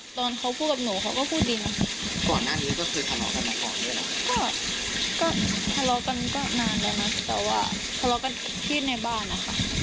ก็ทำเลาะกันก็นานแล้วนะแต่ว่าทำเลาะกันที่ในบ้านนะคะ